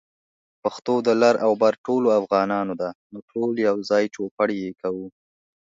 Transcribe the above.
پښتو د لر او بر ټولو افغانانو ده، نو ټول يوځای چوپړ يې کوو